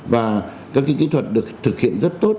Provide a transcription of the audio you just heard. và các kỹ thuật được thực hiện rất tốt